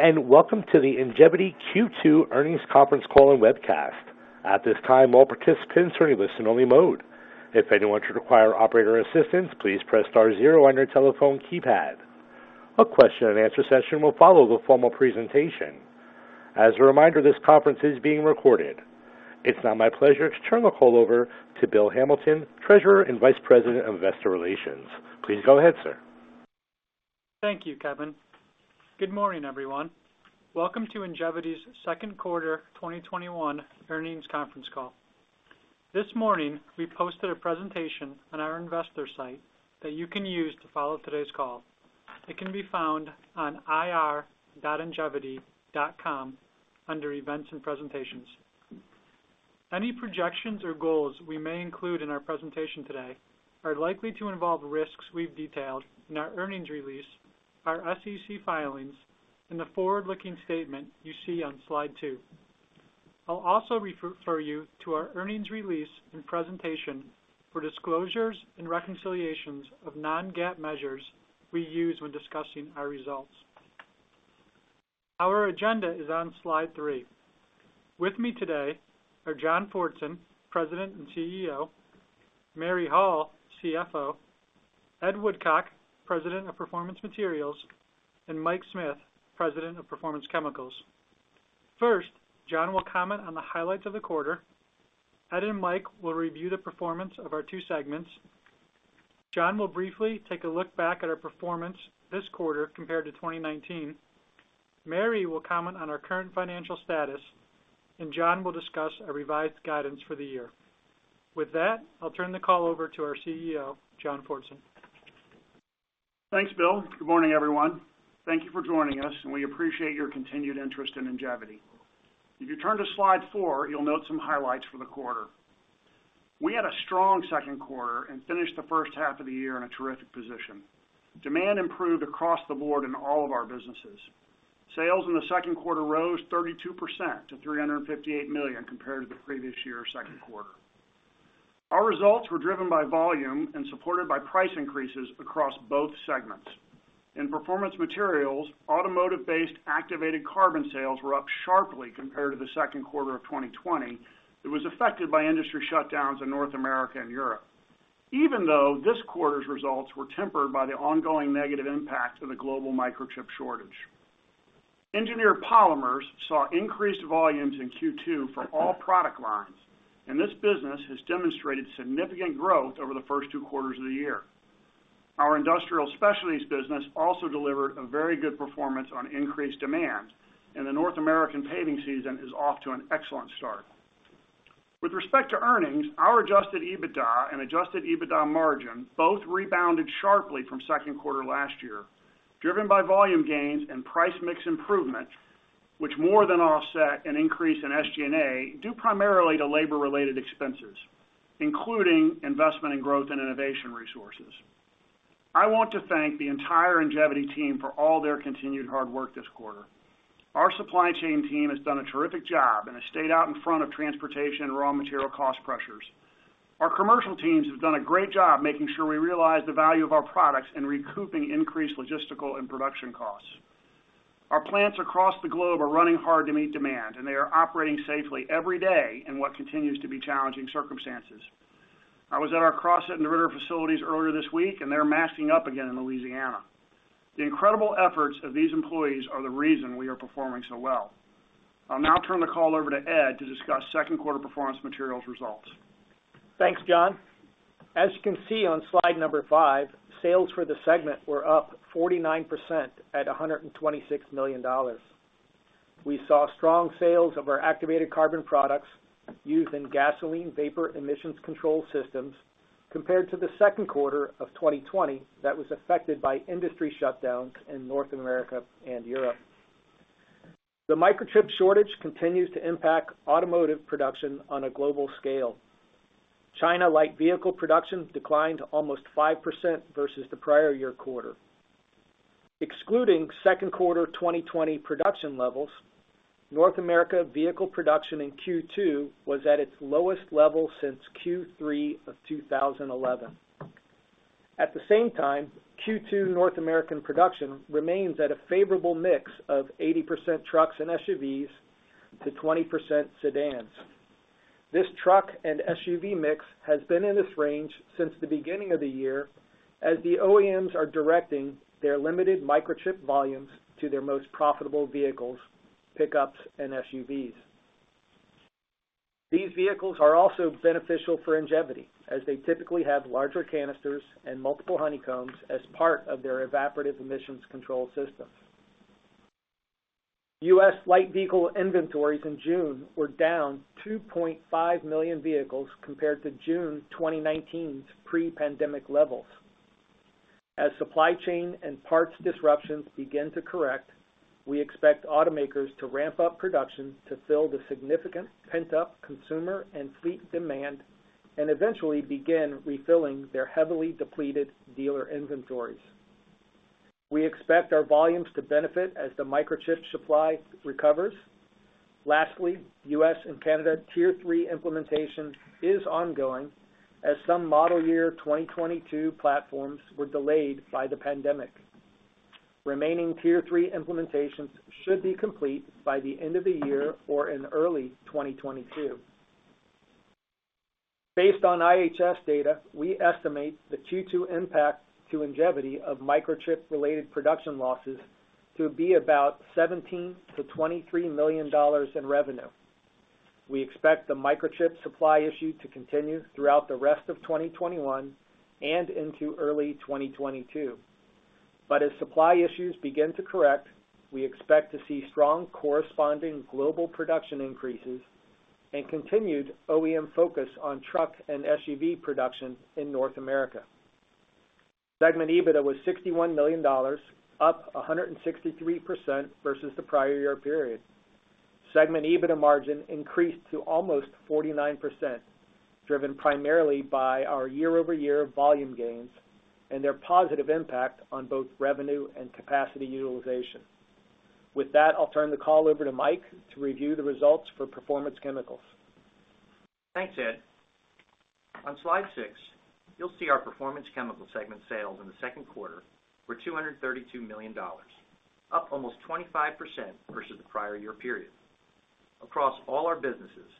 Hello, and welcome to the Ingevity Q2 Earnings Conference Call and Webcast. It's now my pleasure to turn the call over to Bill Hamilton, Treasurer and Vice President of Investor Relations. Please go ahead, sir. Thank you, Kevin. Good morning, everyone. Welcome to Ingevity's second quarter 2021 earnings conference call. This morning, we posted a presentation on our investor site that you can use to follow today's call. It can be found on ir.ingevity.com under Events and Presentations. Any projections or goals we may include in our presentation today are likely to involve risks we've detailed in our earnings release, our SEC filings, and the forward-looking statement you see on slide two. I'll also refer you to our earnings release and presentation for disclosures and reconciliations of non-GAAP measures we use when discussing our results. Our agenda is on slide three. With me today are John Fortson, President and CEO, Mary Hall, CFO, Ed Woodcock, President of Performance Materials, and Mike Smith, President of Performance Chemicals. First, John will comment on the highlights of the quarter. Ed and Mike will review the performance of our two segments. John will briefly take a look back at our performance this quarter compared to 2019. Mary will comment on our current financial status, and John will discuss our revised guidance for the year. With that, I'll turn the call over to our CEO, John Fortson. Thanks, Bill. Good morning, everyone. Thank you for joining us, and we appreciate your continued interest in Ingevity. If you turn to slide four, you'll note some highlights for the quarter. We had a strong second quarter and finished the first half of the year in a terrific position. Demand improved across the board in all of our businesses. Sales in the second quarter rose 32% to $358 million compared to the previous year's second quarter. Our results were driven by volume and supported by price increases across both segments. In Performance Materials, automotive-based activated carbon sales were up sharply compared to the second quarter of 2020 that was affected by industry shutdowns in North America and Europe. Even though this quarter's results were tempered by the ongoing negative impact of the global microchip shortage. Engineered polymers saw increased volumes in Q2 for all product lines, and this business has demonstrated significant growth over the first two quarters of the year. Our industrial specialties business also delivered a very good performance on increased demand, and the North American paving season is off to an excellent start. With respect to earnings, our adjusted EBITDA and adjusted EBITDA margin both rebounded sharply from second quarter last year, driven by volume gains and price mix improvement, which more than offset an increase in SG&A, due primarily to labor-related expenses, including investment in growth and innovation resources. I want to thank the entire Ingevity team for all their continued hard work this quarter. Our supply chain team has done a terrific job and has stayed out in front of transportation and raw material cost pressures. Our commercial teams have done a great job making sure we realize the value of our products in recouping increased logistical and production costs. Our plants across the globe are running hard to meet demand, and they are operating safely every day in what continues to be challenging circumstances. I was at our Crossett and DeRidder facilities earlier this week, and they're masking up again in Louisiana. The incredible efforts of these employees are the reason we are performing so well. I'll now turn the call over to Ed to discuss second quarter Performance Materials results. Thanks, John. As you can see on slide number five, sales for the segment were up 49% at $126 million. We saw strong sales of our activated carbon products used in gasoline vapor emission control systems compared to the second quarter of 2020 that was affected by industry shutdowns in North America and Europe. The microchip shortage continues to impact automotive production on a global scale. China light vehicle production declined almost 5% versus the prior year quarter. Excluding second quarter 2020 production levels, North America vehicle production in Q2 was at its lowest level since Q3 of 2011. At the same time, Q2 North American production remains at a favorable mix of 80% trucks and SUVs to 20% sedans. This truck and SUV mix has been in this range since the beginning of the year as the OEMs are directing their limited microchip volumes to their most profitable vehicles, pickups and SUVs. These vehicles are also beneficial for Ingevity, as they typically have larger canisters and multiple honeycombs as part of their evaporative emissions control systems. U.S. light vehicle inventories in June were down 2.5 million vehicles compared to June 2019's pre-pandemic levels. As supply chain and parts disruptions begin to correct, we expect automakers to ramp up production to fill the significant pent-up consumer and fleet demand and eventually begin refilling their heavily depleted dealer inventories. We expect our volumes to benefit as the microchip supply recovers. Lastly, U.S. and Canada Tier 3 implementation is ongoing as some model year 2022 platforms were delayed by the pandemic. Remaining Tier 3 implementations should be complete by the end of the year or in early 2022. Based on IHS data, we estimate the Q2 impact to Ingevity of microchip-related production losses to be about $17 million-$23 million in revenue. We expect the microchip supply issue to continue throughout the rest of 2021 and into early 2022. As supply issues begin to correct, we expect to see strong corresponding global production increases and continued OEM focus on truck and SUV production in North America. Segment EBITDA was $61 million, up 163% versus the prior year period. Segment EBITDA margin increased to almost 49%, driven primarily by our year-over-year volume gains and their positive impact on both revenue and capacity utilization. With that, I'll turn the call over to Mike to review the results for Performance Chemicals. Thanks, Ed. On slide six, you'll see our Performance Chemicals segment sales in the second quarter were $232 million, up almost 25% versus the prior year period. Across all our businesses,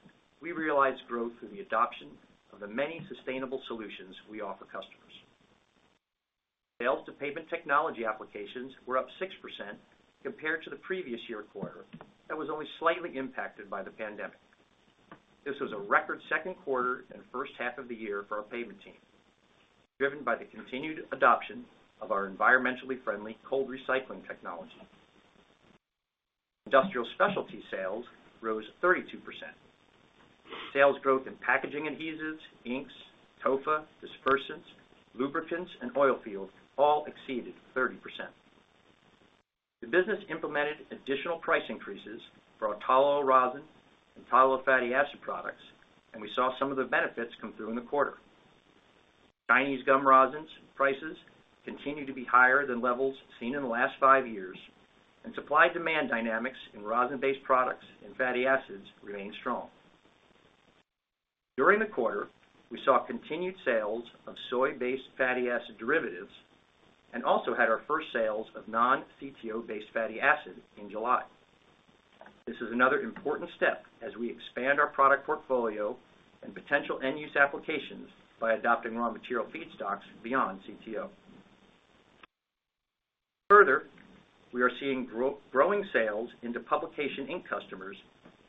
we realized growth through the adoption of the many sustainable solutions we offer customers. Sales to pavement technology applications were up 6% compared to the previous year quarter that was only slightly impacted by the pandemic. This was a record second quarter and first half of the year for our pavement team, driven by the continued adoption of our environmentally friendly cold recycling technology. Industrial specialty sales rose 32%. Sales growth in packaging adhesives, inks, TOFA, dispersants, lubricants, and oilfield all exceeded 30%. The business implemented additional price increases for our tall oil rosin and tall oil fatty acid products, and we saw some of the benefits come through in the quarter. Chinese gum rosin prices continue to be higher than levels seen in the last five years, and supply-demand dynamics in rosin-based products and fatty acids remain strong. During the quarter, we saw continued sales of soy-based fatty acid derivatives and also had our first sales of non-CTO-based fatty acid in July. This is another important step as we expand our product portfolio and potential end-use applications by adopting raw material feedstocks beyond CTO. Further, we are seeing growing sales into publication ink customers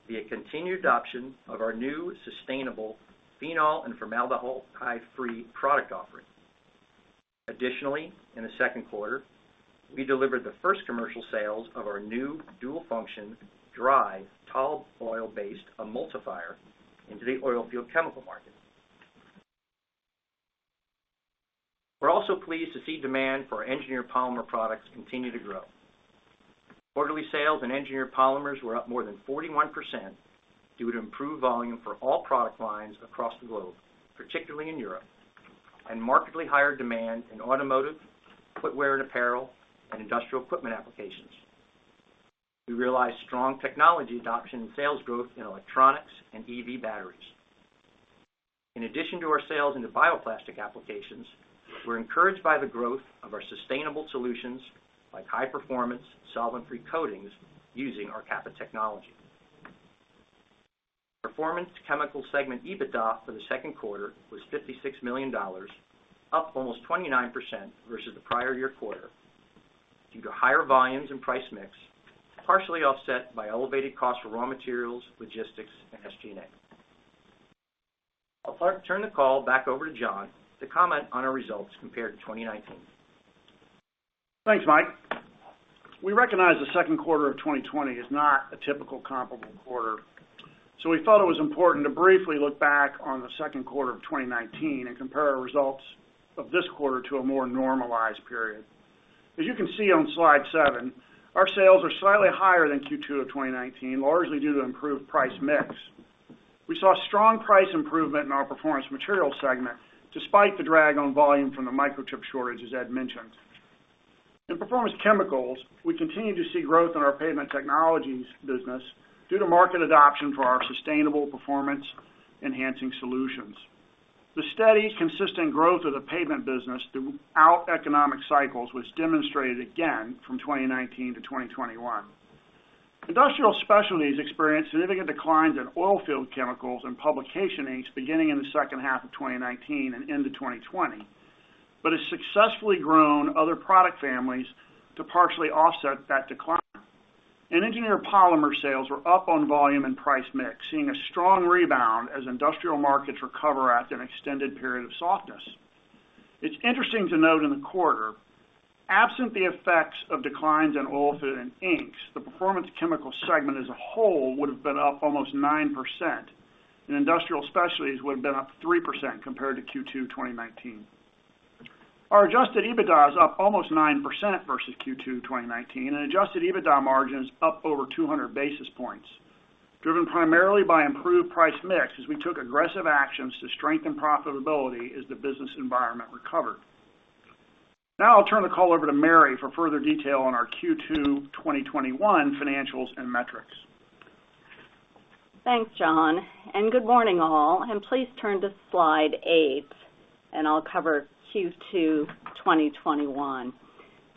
via continued adoption of our new sustainable phenol and formaldehyde-free product offering. Additionally, in the second quarter, we delivered the first commercial sales of our new dual-function dry tall oil-based emulsifier into the oilfield chemical market. We're also pleased to see demand for our engineered polymer products continue to grow. Quarterly sales in engineered polymers were up more than 41% due to improved volume for all product lines across the globe, particularly in Europe, and markedly higher demand in automotive, footwear and apparel, and industrial equipment applications. We realized strong technology adoption and sales growth in electronics and EV batteries. In addition to our sales into bioplastic applications, we're encouraged by the growth of our sustainable solutions like high-performance solvent-free coatings using our Capa technology. Performance Chemicals segment EBITDA for the second quarter was $56 million, up almost 29% versus the prior year quarter due to higher volumes and price mix, partially offset by elevated cost for raw materials, logistics, and SG&A. I'll turn the call back over to John to comment on our results compared to 2019. Thanks, Mike. We recognize the second quarter of 2020 is not a typical comparable quarter. We thought it was important to briefly look back on the second quarter of 2019 and compare our results of this quarter to a more normalized period. As you can see on slide seven, our sales are slightly higher than Q2 of 2019, largely due to improved price mix. We saw strong price improvement in our Performance Materials segment, despite the drag on volume from the microchip shortage, as Ed mentioned. In Performance Chemicals, we continue to see growth in our pavement technologies business due to market adoption for our sustainable performance-enhancing solutions. The steady, consistent growth of the pavement business throughout economic cycles was demonstrated again from 2019 to 2021. Industrial Specialties experienced significant declines in oilfield chemicals and publication inks beginning in the second half of 2019 and into 2020, but has successfully grown other product families to partially offset that decline. Engineered polymer sales were up on volume and price mix, seeing a strong rebound as industrial markets recover after an extended period of softness. It's interesting to note in the quarter, absent the effects of declines in oilfield and inks, the Performance Chemicals segment as a whole would've been up almost 9%, and Industrial Specialties would've been up 3% compared to Q2 2019. Our adjusted EBITDA is up almost 9% versus Q2 2019, and adjusted EBITDA margin is up over 200 basis points, driven primarily by improved price mix as we took aggressive actions to strengthen profitability as the business environment recovered. Now I'll turn the call over to Mary for further detail on our Q2 2021 financials and metrics. Thanks, John. Good morning, all. Please turn to slide eight, and I'll cover Q2 2021.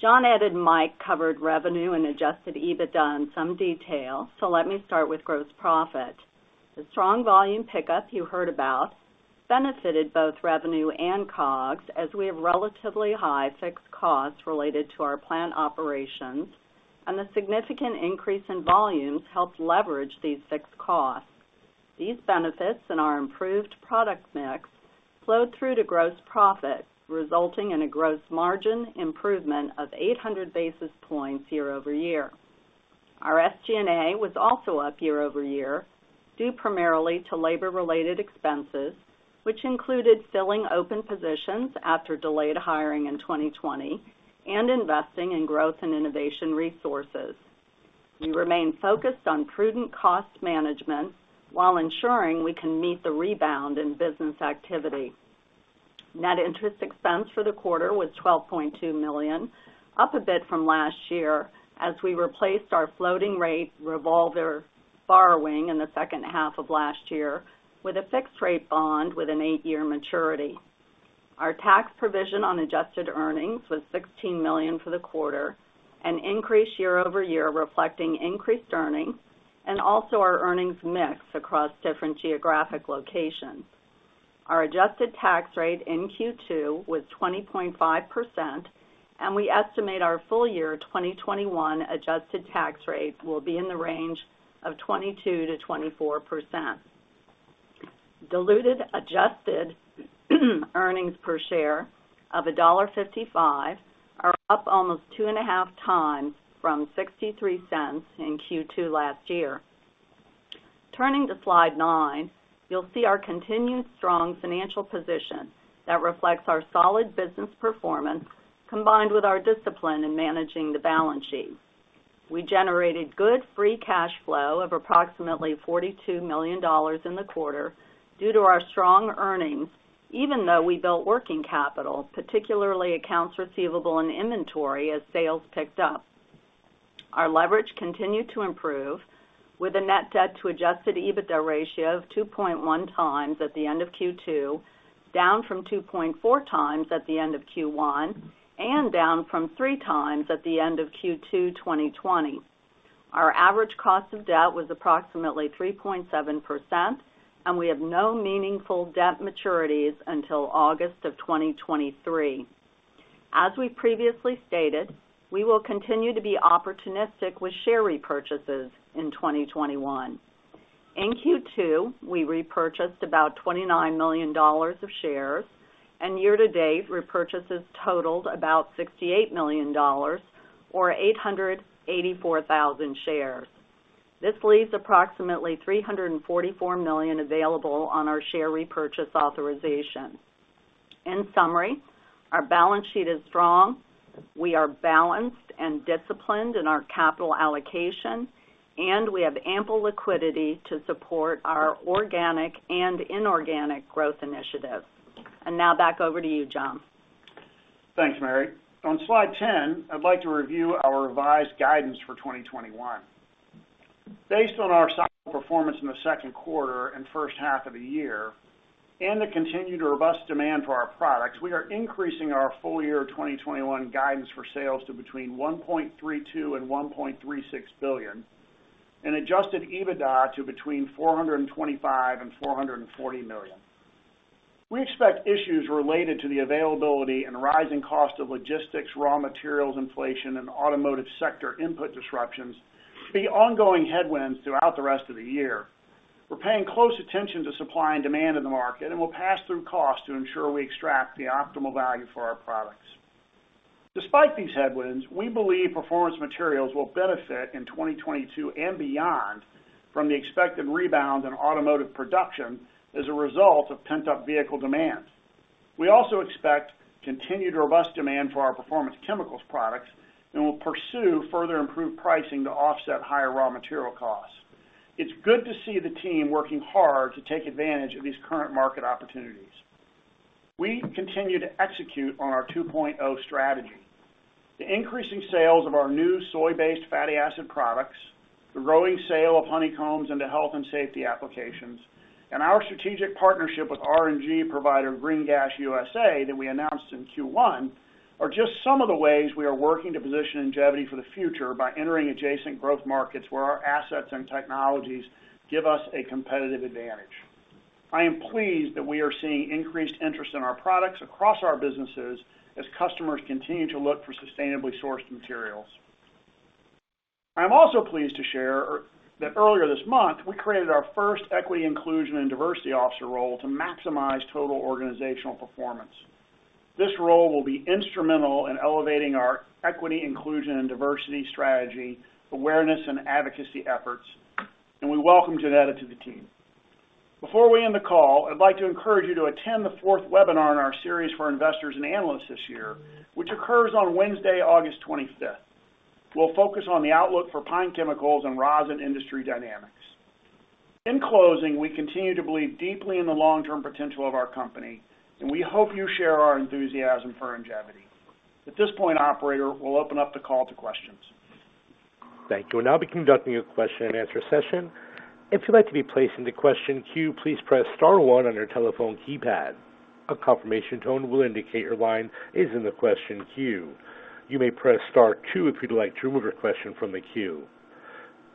John, Ed, and Mike covered revenue and adjusted EBITDA in some detail. Let me start with gross profit. The strong volume pickup you heard about benefited both revenue and COGS, as we have relatively high fixed costs related to our plant operations, and the significant increase in volumes helped leverage these fixed costs. These benefits and our improved product mix flowed through to gross profit, resulting in a gross margin improvement of 800 basis points year-over-year. Our SG&A was also up year-over-year, due primarily to labor-related expenses, which included filling open positions after delayed hiring in 2020, and investing in growth and innovation resources. We remain focused on prudent cost management while ensuring we can meet the rebound in business activity. Net interest expense for the quarter was $12.2 million, up a bit from last year, as we replaced our floating rate revolver borrowing in the second half of last year with a fixed rate bond with an eight-year maturity. Our tax provision on adjusted earnings was $16 million for the quarter, an increase year-over-year reflecting increased earnings and also our earnings mix across different geographic locations. Our adjusted tax rate in Q2 was 20.5%, and we estimate our full-year 2021 adjusted tax rate will be in the range of 22%-24%. Diluted adjusted earnings per share of $1.55 are up almost 2.5x from $0.63 in Q2 last year. Turning to slide nine, you'll see our continued strong financial position that reflects our solid business performance, combined with our discipline in managing the balance sheet. We generated good free cash flow of approximately $42 million in the quarter due to our strong earnings, even though we built working capital, particularly accounts receivable and inventory, as sales picked up. Our leverage continued to improve with a net debt to adjusted EBITDA ratio of 2.1x at the end of Q2, down from 2.4x at the end of Q1, and down from 3x at the end of Q2 2020. Our average cost of debt was approximately 3.7%, and we have no meaningful debt maturities until August of 2023. As we previously stated, we will continue to be opportunistic with share repurchases in 2021. In Q2, we repurchased about $29 million of shares, and year-to-date, repurchases totaled about $68 million, or 884,000 shares. This leaves approximately $344 million available on our share repurchase authorization. In summary, our balance sheet is strong. We are balanced and disciplined in our capital allocation, and we have ample liquidity to support our organic and inorganic growth initiatives. Now back over to you, John. Thanks, Mary. On slide 10, I'd like to review our revised guidance for 2021. Based on our solid performance in the second quarter and first half of the year, and the continued robust demand for our products, we are increasing our full-year 2021 guidance for sales to between $1.32 billion and $1.36 billion, and adjusted EBITDA to between $425 million and $440 million. We expect issues related to the availability and rising cost of logistics, raw materials inflation, and automotive sector input disruptions to be ongoing headwinds throughout the rest of the year. We're paying close attention to supply and demand in the market, and will pass through costs to ensure we extract the optimal value for our products. Despite these headwinds, we believe Performance Materials will benefit in 2022 and beyond from the expected rebound in automotive production as a result of pent-up vehicle demand. We also expect continued robust demand for our Performance Chemicals products, and will pursue further improved pricing to offset higher raw material costs. It's good to see the team working hard to take advantage of these current market opportunities. We continue to execute on our 2.0 strategy. The increasing sales of our new soy-based fatty acid products, the growing sale of honeycombs into health and safety applications, and our strategic partnership with RNG provider GreenGasUSA that we announced in Q1, are just some of the ways we are working to position Ingevity for the future by entering adjacent growth markets where our assets and technologies give us a competitive advantage. I am pleased that we are seeing increased interest in our products across our businesses as customers continue to look for sustainably sourced materials. I am also pleased to share that earlier this month, we created our first equity, inclusion, and diversity officer role to maximize total organizational performance. This role will be instrumental in elevating our equity, inclusion, and diversity strategy, awareness, and advocacy efforts, and we welcome Jeanetta to the team. Before we end the call, I'd like to encourage you to attend the fourth webinar in our series for investors and analysts this year, which occurs on Wednesday, August 25th. We'll focus on the outlook for pine chemicals and rosin industry dynamics. In closing, we continue to believe deeply in the long-term potential of our company, and we hope you share our enthusiasm for Ingevity. At this point, operator, we'll open up the call to questions. Thank you. We'll now be conducting a question-and-answer session. If you'd like to be placed into question queue, please press star one on your telephone keypad. A confirmation tone will indicate your line is in the question queue. You may press star two if you'd like to remove your question from the queue.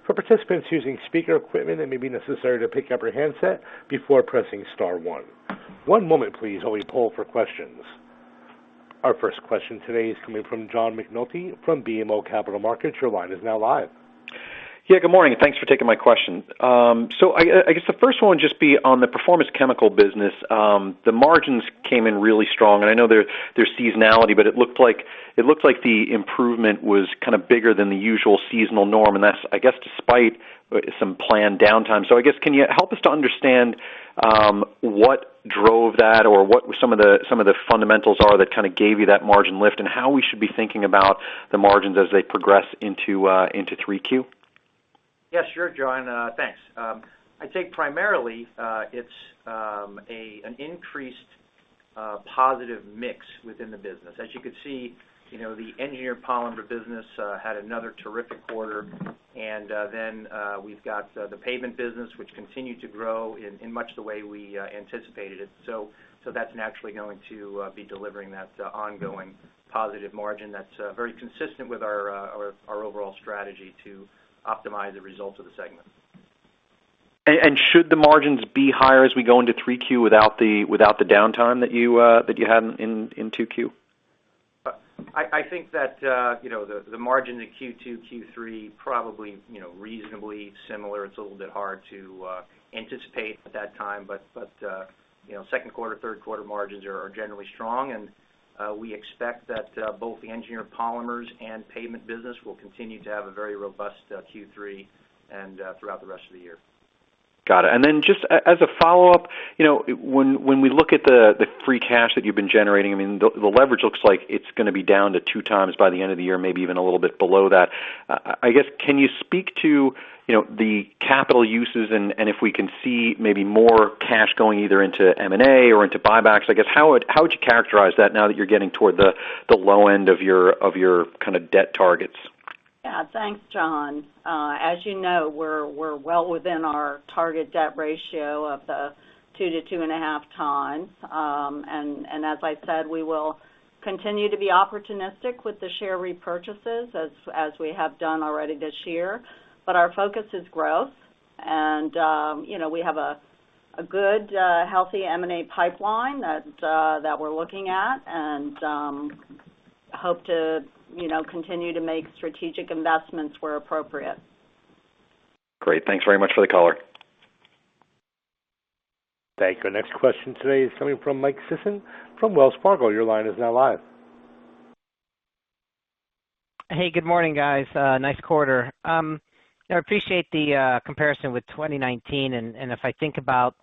For participants using speaker equipment, it may be necessary to pick up your handset before pressing star one. One moment please while we poll for questions. Our first question today is coming from John McNulty from BMO Capital Markets. Your line is now live. Yeah, good morning, and thanks for taking my question. I guess the first one would just be on the Performance Chemicals business. The margins came in really strong, and I know there's seasonality, but it looked like the improvement was kind of bigger than the usual seasonal norm, and that's, I guess, despite some planned downtime. I guess, can you help us to understand what drove that or what some of the fundamentals are that kind of gave you that margin lift, and how we should be thinking about the margins as they progress into 3Q? Yes, sure, John. Thanks. I'd say primarily, it's an increased positive mix within the business. As you could see, the Engineered Polymer business had another terrific quarter, and then we've got the pavement business, which continued to grow in much the way we anticipated it. That's naturally going to be delivering that ongoing positive margin that's very consistent with our overall strategy to optimize the results of the segment. Should the margins be higher as we go into 3Q without the downtime that you had in 2Q? I think that the margin in Q2, Q3, probably reasonably similar. It's a little bit hard to anticipate at that time, but second quarter, third quarter margins are generally strong. We expect that both the Engineered Polymers and pavement business will continue to have a very robust Q3 and throughout the rest of the year. Got it. Just as a follow-up, when we look at the free cash that you've been generating, I mean, the leverage looks like it's going to be down to 2x by the end of the year, maybe even a little bit below that. I guess, can you speak to the capital uses and if we can see maybe more cash going either into M&A or into buybacks? I guess, how would you characterize that now that you're getting toward the low end of your kind of debt targets? Yeah. Thanks, John. As you know, we're well within our target debt ratio of the 2x-2.5x. As I said, we will continue to be opportunistic with the share repurchases as we have done already this year, but our focus is growth, and we have a good, healthy M&A pipeline that we're looking at and hope to continue to make strategic investments where appropriate. Great, thanks very much for the color. Thank you. Our next question today is coming from Michael Sison from Wells Fargo. Your line is now live. Good morning, guys. Nice quarter. If I think about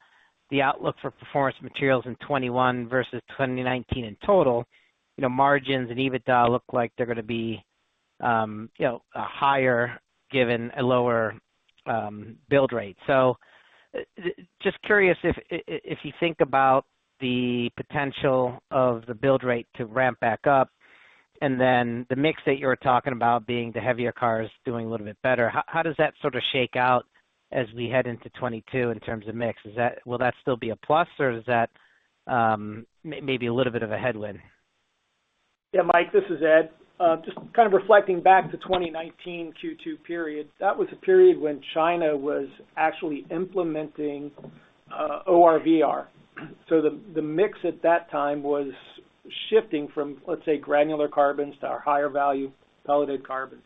the outlook for Performance Materials in 2021 versus 2019 in total, margins and EBITDA look like they're going to be higher given a lower build rate. Just curious if you think about the potential of the build rate to ramp back up, the mix that you were talking about being the heavier cars doing a little bit better, how does that sort of shake out as we head into 2022 in terms of mix? Will that still be a plus, or is that maybe a little bit of a headwind? Yeah, Mike, this is Ed. Just kind of reflecting back to 2019 Q2 period, that was a period when China was actually implementing ORVR. So the mix at that time was shifting from, let's say, granular carbons to our higher value pelleted carbons.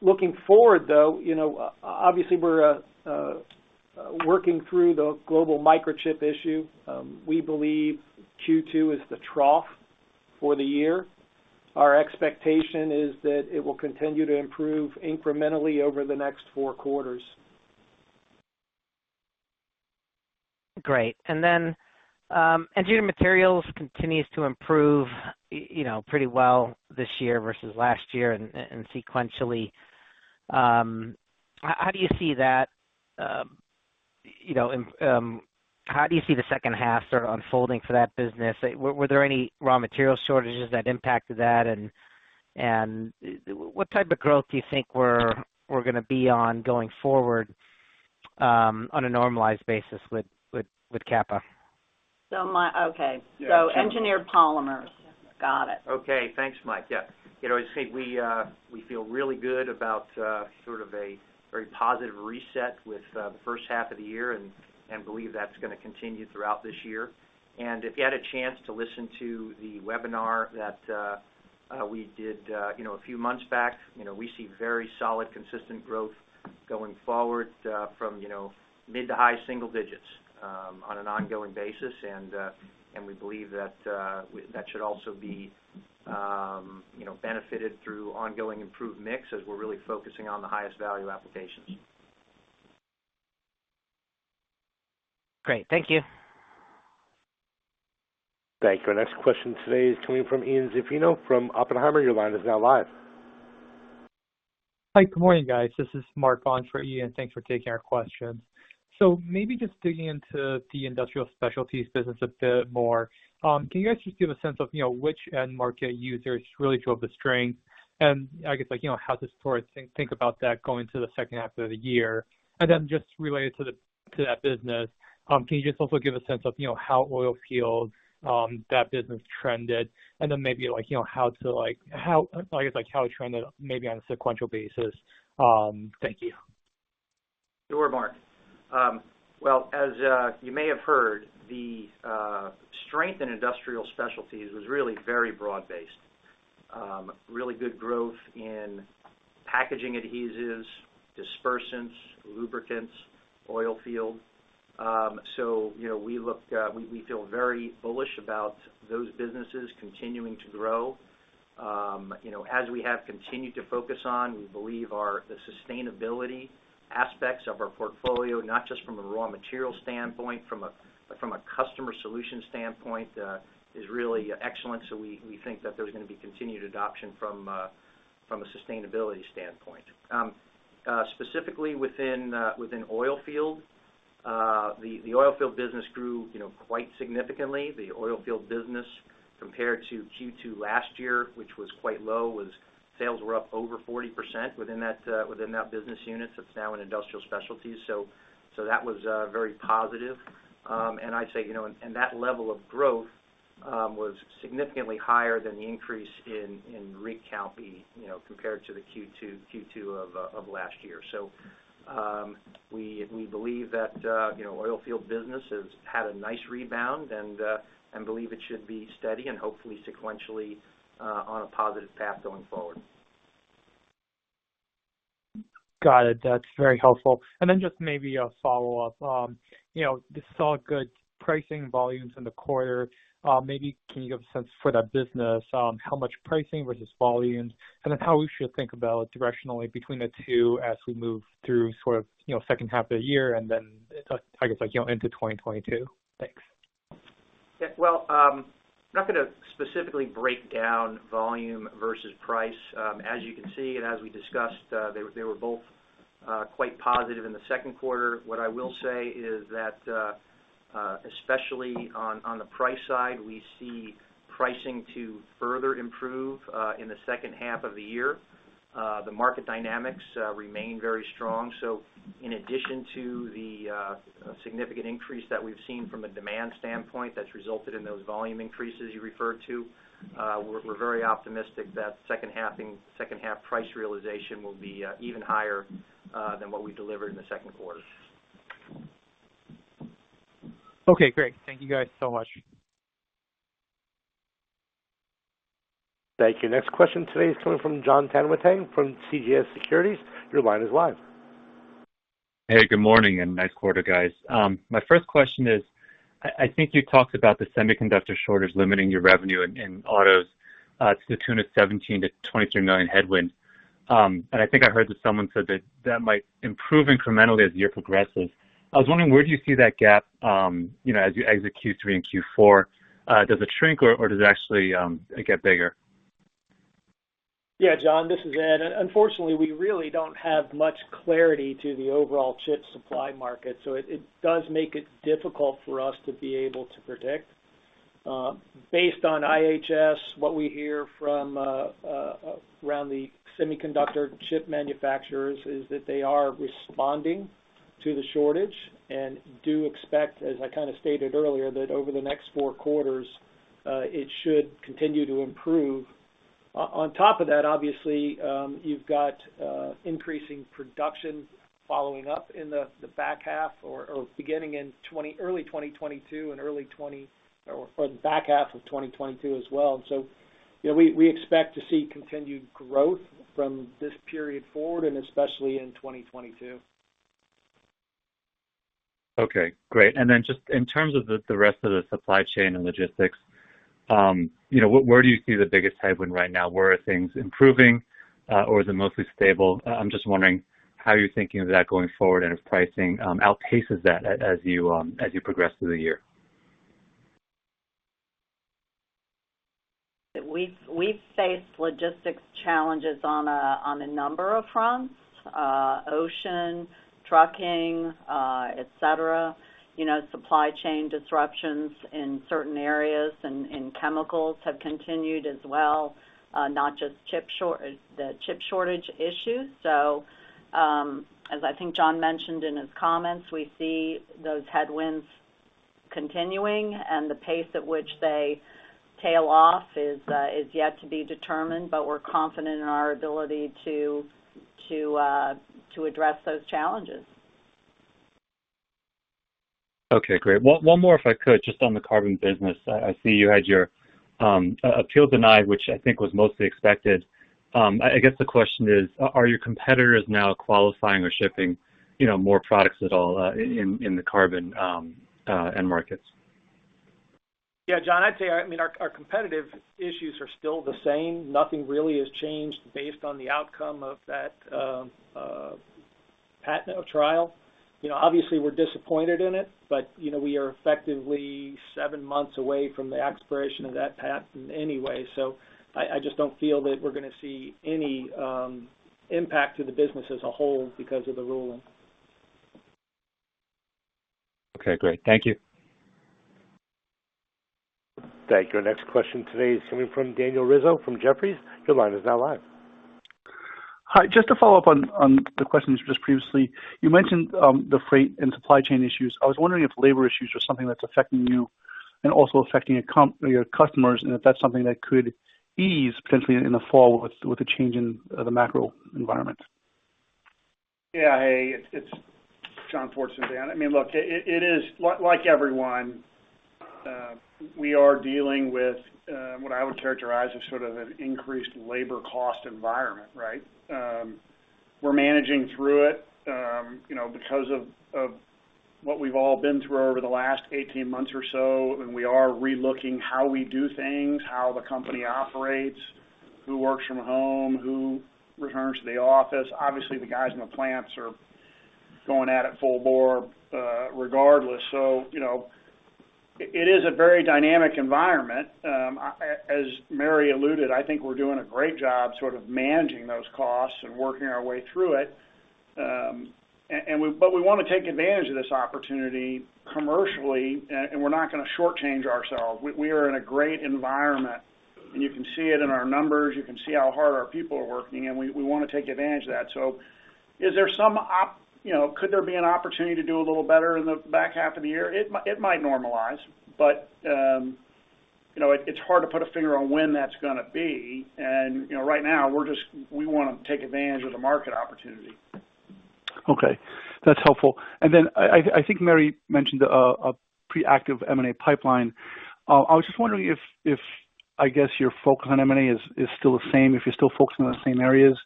Looking forward, though, obviously we're working through the global microchip issue. We believe Q2 is the trough for the year. Our expectation is that it will continue to improve incrementally over the next four quarters. Great. Engineered Materials continues to improve pretty well this year versus last year and sequentially. How do you see the second half sort of unfolding for that business? Were there any raw material shortages that impacted that, and what type of growth do you think we're going to be on going forward on a normalized basis with Capa? Mike, okay. Yeah. Engineered polymers. Got it. Okay. Thanks, Mike. Yeah. I'd say we feel really good about sort of a very positive reset with the first half of the year and believe that's going to continue throughout this year. If you had a chance to listen to the webinar that we did a few months back, we see very solid, consistent growth going forward from mid to high single digits on an ongoing basis, and we believe that should also be benefited through ongoing improved mix as we're really focusing on the highest value applications. Great, thank you. Thank you. Our next question today is coming from Ian Zaffino from Oppenheimer. Your line is now live. Hi, good morning, guys. This is Mark Zhang on for Ian, thanks for taking our questions. Maybe just digging into the industrial specialties business a bit more. Can you guys just give a sense of which end market users really drove the strength? I guess, how to sort of think about that going to the second half of the year. Just related to that business, can you just also give a sense of how oil fields, that business trended and then maybe how it trended maybe on a sequential basis. Thank you. Sure, Mark. As you may have heard, the strength in Industrial Specialties was really very broad-based. Really good growth in packaging adhesives, dispersants, lubricants, oil field. We feel very bullish about those businesses continuing to grow. As we have continued to focus on, we believe the sustainability aspects of our portfolio, not just from a raw material standpoint, from a customer solution standpoint, is really excellent. We think that there's going to be continued adoption from a sustainability standpoint. Specifically within oil field. The oil field business grew quite significantly. The oil field business compared to Q2 last year, which was quite low, sales were up over 40% within that business unit that's now in Industrial Specialties. That was very positive. I'd say, that level of growth was significantly higher than the increase in rig count compared to the Q2 of last year. We believe that oil field business has had a nice rebound and believe it should be steady and hopefully sequentially on a positive path going forward. Got it, that's very helpful. Then just maybe a follow-up. You saw good pricing volumes in the quarter. Maybe can you give a sense for that business how much pricing versus volumes, and then how we should think about directionally between the two as we move through sort of second half of the year and then, I guess, into 2022? Thanks. Well, I'm not going to specifically break down volume versus price. As you can see and as we discussed, they were both quite positive in the second quarter. What I will say is that, especially on the price side, we see pricing to further improve in the second half of the year. The market dynamics remain very strong. In addition to the significant increase that we've seen from a demand standpoint that's resulted in those volume increases you referred to, we're very optimistic that second half price realization will be even higher than what we delivered in the second quarter. Okay, great. Thank you guys so much. Thank you. Next question today is coming from Jon Tanwanteng from CJS Securities. Your line is live. Hey, good morning and nice quarter, guys. My first question is, I think you talked about the semiconductor shortage limiting your revenue in autos, to the tune of $17 million-$23 million headwind. I think I heard that someone said that that might improve incrementally as the year progresses. I was wondering, where do you see that gap as you exit Q3 and Q4? Does it shrink or does it actually get bigger? Yeah, Jon, this is Ed. Unfortunately, we really don't have much clarity to the overall chip supply market, so it does make it difficult for us to be able to predict. Based on IHS, what we hear from around the semiconductor chip manufacturers is that they are responding to the shortage and do expect, as I kind of stated earlier, that over the next four quarters, it should continue to improve. On top of that, obviously, you've got increasing production following up in the back half or beginning in early 2022 or the back half of 2022 as well. We expect to see continued growth from this period forward and especially in 2022. Okay, great. Just in terms of the rest of the supply chain and logistics, where do you see the biggest headwind right now? Where are things improving? Is it mostly stable? I'm just wondering how you're thinking of that going forward and if pricing outpaces that as you progress through the year. We've faced logistics challenges on a number of fronts. Ocean, trucking, etc. Supply chain disruptions in certain areas and in chemicals have continued as well, not just the chip shortage issue. As I think John mentioned in his comments, we see those headwinds continuing and the pace at which they tail off is yet to be determined, but we're confident in our ability to address those challenges. Okay, great. One more, if I could, just on the carbon business. I see you had your appeal denied, which I think was mostly expected. I guess the question is, are your competitors now qualifying or shipping more products at all in the carbon end markets? Yeah, Jon, I'd say, our competitive issues are still the same. Nothing really has changed based on the outcome of that patent trial. Obviously, we're disappointed in it, but we are effectively seven months away from the expiration of that patent anyway. I just don't feel that we're going to see any impact to the business as a whole because of the ruling. Okay, great. Thank you. Thank you. Our next question today is coming from Daniel Rizzo from Jefferies. Your line is now live. Hi. Just to follow up on the questions just previously. You mentioned the freight and supply chain issues. I was wondering if labor issues are something that's affecting you and also affecting your customers, and if that's something that could ease potentially in the fall with the change in the macro environment. Hey, it's John Fortson. I mean, look, like everyone, we are dealing with what I would characterize as sort of an increased labor cost environment, right? We're managing through it. Because of what we've all been through over the last 18 months or so, and we are re-looking how we do things, how the company operates, who works from home, who returns to the office. Obviously, the guys in the plants are going at it full bore, regardless. It is a very dynamic environment. As Mary alluded, I think we're doing a great job sort of managing those costs and working our way through it. We want to take advantage of this opportunity commercially, and we're not going to shortchange ourselves. We are in a great environment, and you can see it in our numbers. You can see how hard our people are working. We want to take advantage of that. Could there be an opportunity to do a little better in the back half of the year? It might normalize, but it's hard to put a finger on when that's going to be. Right now, we want to take advantage of the market opportunity. Okay, that's helpful. I think Mary mentioned a proactive M&A pipeline. I was just wondering if, I guess, your focus on M&A is still the same, if you're still focusing on the same areas,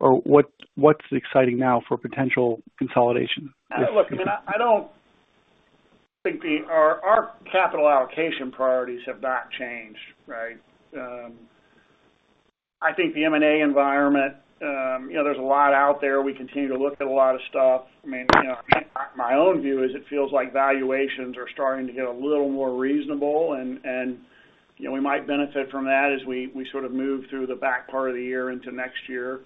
or what's exciting now for potential consolidation? Look, I mean, our capital allocation priorities have not changed, right? I think the M&A environment, there's a lot out there. We continue to look at a lot of stuff. I mean, my own view is it feels like valuations are starting to get a little more reasonable, and we might benefit from that as we sort of move through the back part of the year into next year.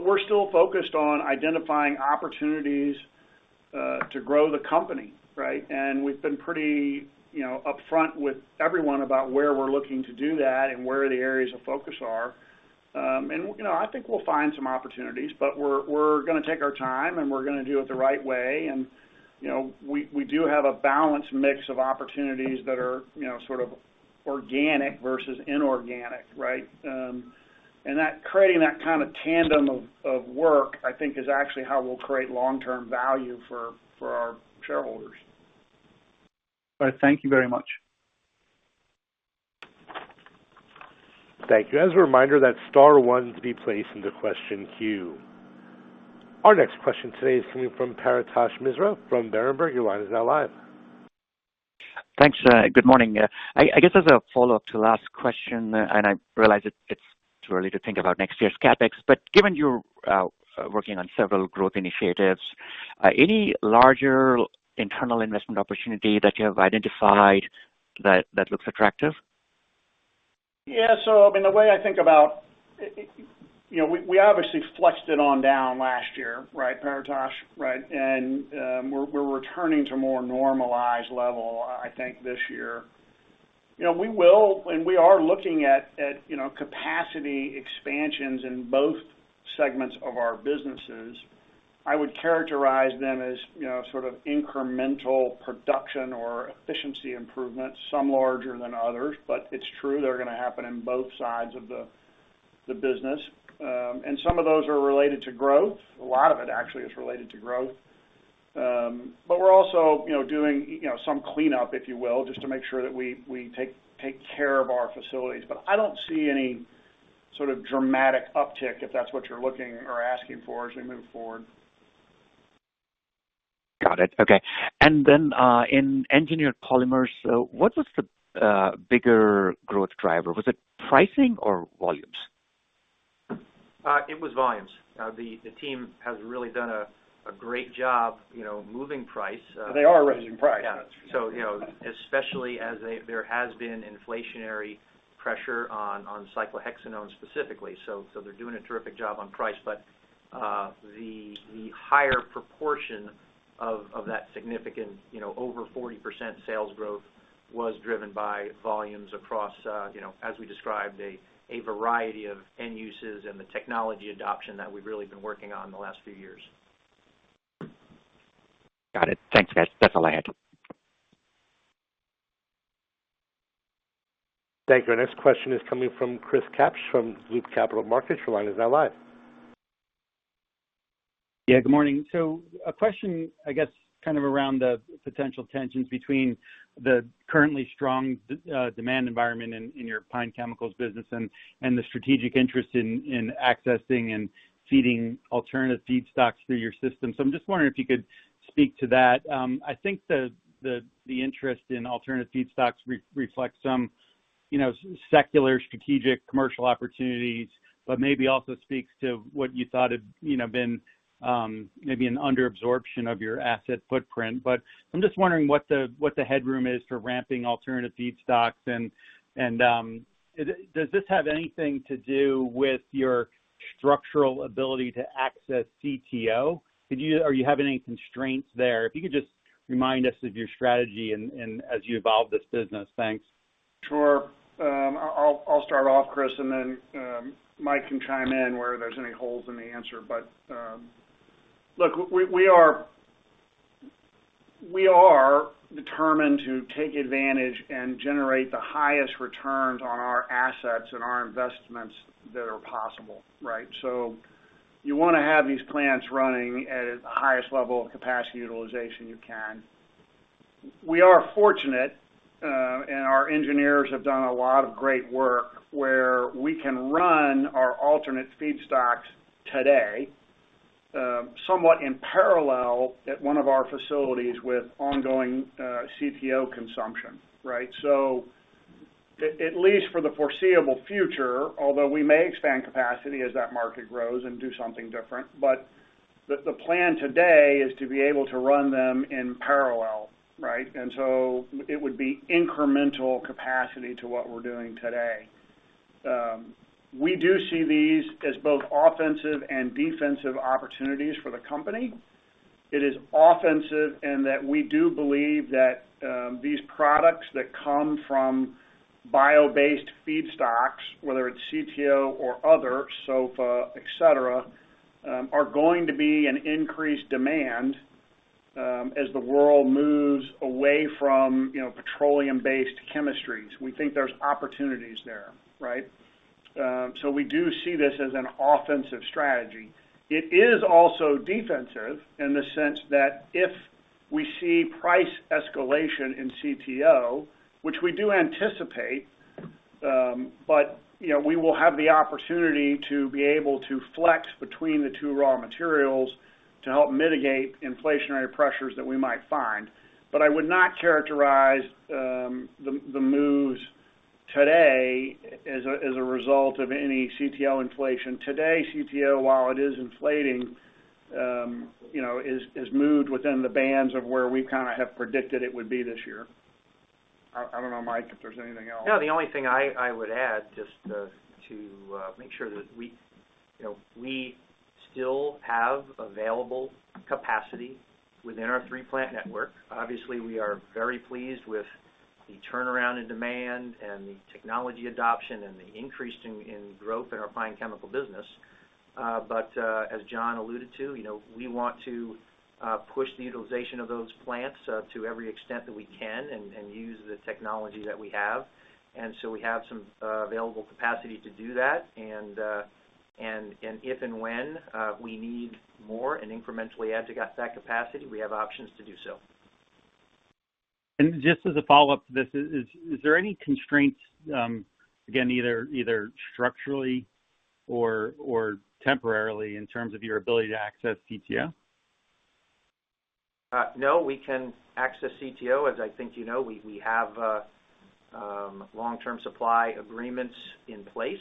We're still focused on identifying opportunities to grow the company, right? We've been pretty upfront with everyone about where we're looking to do that and where the areas of focus are. I think we'll find some opportunities, but we're going to take our time, and we're going to do it the right way. We do have a balanced mix of opportunities that are sort of organic versus inorganic, right? Creating that kind of tandem of work, I think, is actually how we'll create long-term value for our shareholders. All right, thank you very much. Thank you. As a reminder, that's star one to be placed into question queue. Our next question today is coming from Paretosh Misra from Berenberg. Your line is now live. Thanks, good morning. I guess as a follow-up to last question, and I realize it's too early to think about next year's CapEx, but given you're working on several growth initiatives, any larger internal investment opportunity that you have identified that looks attractive? Yeah. I mean, We obviously flexed it on down last year, right, Paretosh? We're returning to more normalized level, I think, this year. We will, and we are looking at capacity expansions in both segments of our businesses. I would characterize them as sort of incremental production or efficiency improvements, some larger than others. It's true they're going to happen in both sides of the business. Some of those are related to growth. A lot of it actually is related to growth. We're also doing some cleanup, if you will, just to make sure that we take care of our facilities. I don't see any sort of dramatic uptick, if that's what you're looking or asking for, as we move forward. Got it, okay. In engineered polymers, what was the bigger growth driver? Was it pricing or volumes? It was volumes. The team has really done a great job moving price. They are raising price. Yeah. Especially as there has been inflationary pressure on cyclohexanone, specifically. They're doing a terrific job on price. The higher proportion of that significant over 40% sales growth was driven by volumes across, as we described, a variety of end uses and the technology adoption that we've really been working on the last few years. Got it. Thanks, guys. That's all I had. Thank you. Our next question is coming from Chris Kapsch from Loop Capital Markets. Your line is now live. Yeah, good morning. A question, I guess kind of around the potential tensions between the currently strong demand environment in your pine chemicals business and the strategic interest in accessing and feeding alternative feedstocks through your system. I'm just wondering if you could speak to that. I think the interest in alternative feedstocks reflects some secular strategic commercial opportunities, but maybe also speaks to what you thought had been maybe an under-absorption of your asset footprint. I'm just wondering what the headroom is for ramping alternative feedstocks. Does this have anything to do with your structural ability to access CTO? Are you having any constraints there? If you could just remind us of your strategy as you evolve this business. Thanks. Sure. I'll start off, Chris, and then Mike can chime in where there's any holes in the answer. Look, we are determined to take advantage and generate the highest returns on our assets and our investments that are possible. You want to have these plants running at the highest level of capacity utilization you can. We are fortunate, and our engineers have done a lot of great work, where we can run our alternate feedstocks today, somewhat in parallel at one of our facilities with ongoing CTO consumption. At least for the foreseeable future, although we may expand capacity as that market grows and do something different, but the plan today is to be able to run them in parallel. It would be incremental capacity to what we're doing today. We do see these as both offensive and defensive opportunities for the company. It is offensive in that we do believe that these products that come from bio-based feedstocks, whether it's CTO or other, SOFA, etc, are going to be an increased demand as the world moves away from petroleum-based chemistries. We think there's opportunities there. We do see this as an offensive strategy. It is also defensive in the sense that if we see price escalation in CTO, which we do anticipate, but we will have the opportunity to be able to flex between the two raw materials to help mitigate inflationary pressures that we might find. I would not characterize the moves today as a result of any CTO inflation. Today, CTO, while it is inflating, has moved within the bands of where we have predicted it would be this year. I don't know, Mike, if there's anything else. No, the only thing I would add, just to make sure that we still have available capacity within our three-plant network. Obviously, we are very pleased with the turnaround in demand and the technology adoption and the increase in growth in our pine chemical business. As John alluded to, we want to push the utilization of those plants to every extent that we can and use the technology that we have. We have some available capacity to do that. If and when we need more and incrementally add to that capacity, we have options to do so. Just as a follow-up to this, is there any constraints, again, either structurally or temporarily in terms of your ability to access CTO? No, we can access CTO. As I think you know, we have long-term supply agreements in place.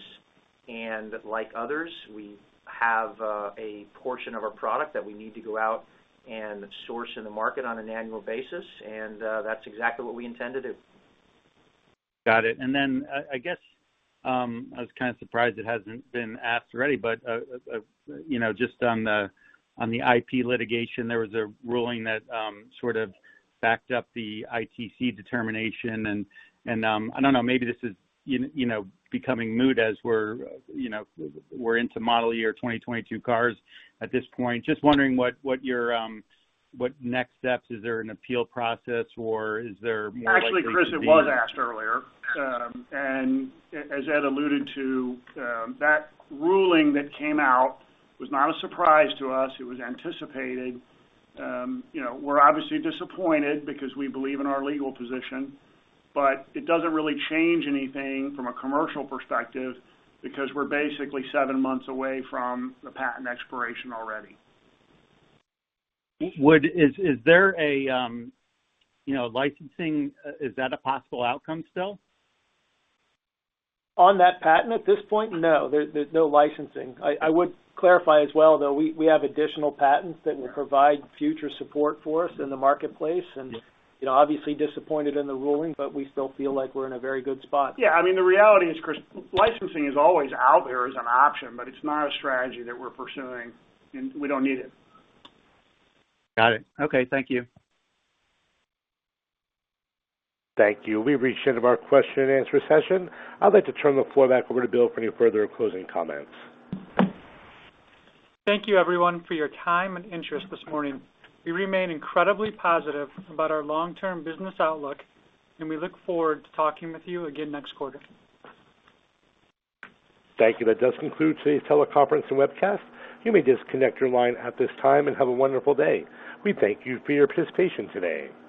Like others, we have a portion of our product that we need to go out and source in the market on an annual basis. That's exactly what we intend to do. Got it. Then I guess I was kind of surprised it hasn't been asked already, but just on the IP litigation, there was a ruling that sort of backed up the ITC determination. I don't know, maybe this is becoming moot as we're into model year 2022 cars at this point. Just wondering what next steps? Is there an appeal process, or is there more likely to be? Actually, Chris, it was asked earlier. As Ed alluded to, that ruling that came out was not a surprise to us. It was anticipated. We're obviously disappointed because we believe in our legal position, it doesn't really change anything from a commercial perspective because we're basically seven months away from the patent expiration already. Is there a licensing? Is that a possible outcome still? On that patent at this point? No. There's no licensing. I would clarify as well, though, we have additional patents that will provide future support for us in the marketplace. Obviously disappointed in the ruling, but we still feel like we're in a very good spot. Yeah. The reality is, Chris, licensing is always out there as an option, but it's not a strategy that we're pursuing, and we don't need it. Got it. Okay, thank you. Thank you. We've reached the end of our question-and-answer session. I'd like to turn the floor back over to Bill for any further closing comments. Thank you, everyone, for your time and interest this morning. We remain incredibly positive about our long-term business outlook, and we look forward to talking with you again next quarter. Thank you. That does conclude today's teleconference and webcast. You may disconnect your line at this time, and have a wonderful day. We thank you for your participation today.